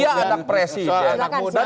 amerika anak presiden